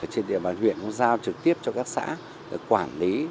trên địa bàn huyện cũng giao trực tiếp cho các xã quản lý